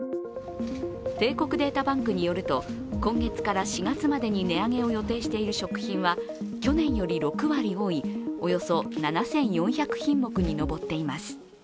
帝国データバンクによると今月から４月までに値上げを予定している食品は去年より６割多い、およそ７４００品目に上っています。